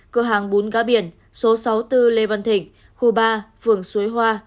tám cơ hàng bún cá biển số sáu mươi bốn lê văn thịnh khu ba phường xuối hoa